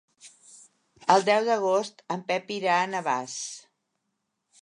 El deu d'agost en Pep irà a Navàs.